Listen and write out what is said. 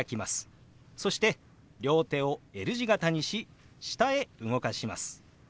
そして両手をＬ字形にし下へ動かします。